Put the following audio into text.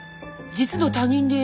実の他人です。